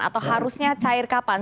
atau harusnya cair kapan